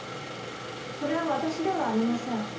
それは私ではありません。